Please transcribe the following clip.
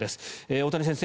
大谷先生